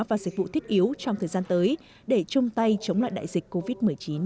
và dịch vụ thiết yếu trong thời gian tới để chung tay chống lại đại dịch covid một mươi chín